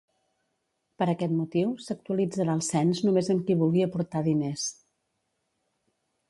Per aquest motiu, s'actualitzarà el cens només amb qui vulgui aportar diners.